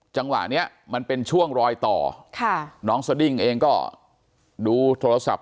จังหวะเนี้ยมันเป็นช่วงรอยต่อค่ะน้องสดิ้งเองก็ดูโทรศัพท์